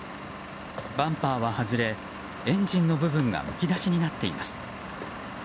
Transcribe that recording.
バンパーは外れエンジンの部分がむき出しになっています。